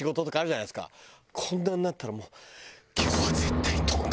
こんなになったらもう。